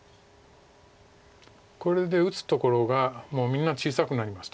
これで打つところがみんな小さくなりました。